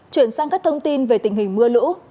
chuyển sang các thông tin về tình hình mưa lũ